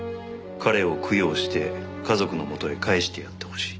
「彼を供養して家族の元へ帰してやって欲しい」